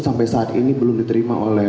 sampai saat ini belum diterima oleh